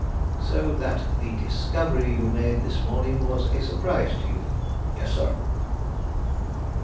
"So that the discovery you made this morning was a surprise to you?" "Yes, sir."